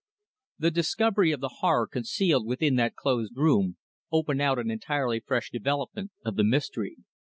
The discovery of the horror concealed within that closed room opened out an entirely fresh development of the mystery.